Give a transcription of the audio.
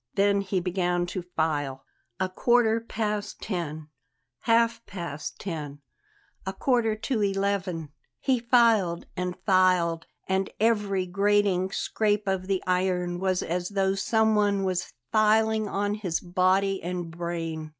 Then he began to file. A quarter past ten half past ten a quarter to eleven He filed and filed, and every grating scrape of the iron was as though someone were filing on his body and brain.